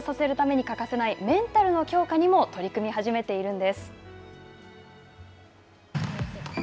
サーブを成功させるために欠かせない、メンタルの強化にも取り組み始めているんです。